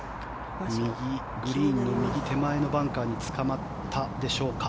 グリーンの右手前のバンカーにつかまったでしょうか。